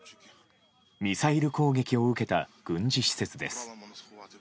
ミサイル攻撃を受けた軍事施設です。